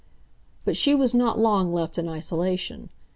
But she was not long left in isolation.